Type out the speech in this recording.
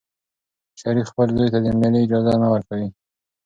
شریف خپل زوی ته د مېلې اجازه نه ورکوي.